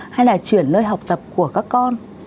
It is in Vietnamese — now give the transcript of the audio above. hay là chuyển nơi học tập của các con